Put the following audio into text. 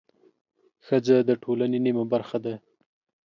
ښځه د ټولنې نیمه برخه ده